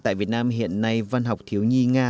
tại việt nam hiện nay văn học thiếu nhi nga